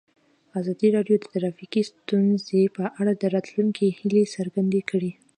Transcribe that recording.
ازادي راډیو د ټرافیکي ستونزې په اړه د راتلونکي هیلې څرګندې کړې.